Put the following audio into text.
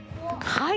はい！